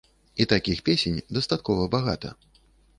І такіх песень дастаткова багата.